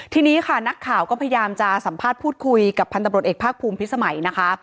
ทีนี้ค่ะนักข่าวก็พยายามจะสัมภาษณ์พูดคุยกับพันธบรวจเอกภาคภูมิพิสมัยนะคะ